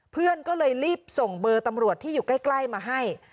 เพื่อนก็เลยรีบส่งเบอร์ตำรวจที่อยู่ใกล้มาให้